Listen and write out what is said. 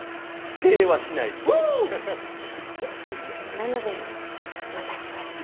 なので私はちょっと。